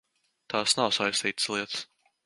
Tās nav saistītas lietas.